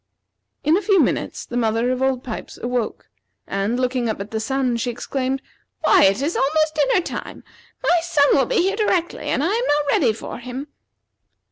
In a few minutes the mother of old Pipes awoke, and looking up at the sun, she exclaimed: "Why, it is almost dinner time! My son will be here directly, and I am not ready for him."